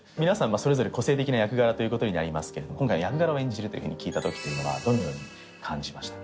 それぞれ個性的な役柄ということになりますけれども今回の役柄を演じるというふうに聞いたときというのはどのように感じましたか？